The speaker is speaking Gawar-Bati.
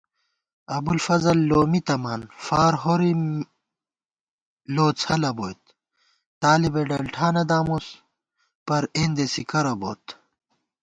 ابُوالفضل لو می تَمان، فار ہورِم لوڅَلَہ بوئیت * طالِبےڈلٹھانہ دامُس پر اېندېسےکرہ بوت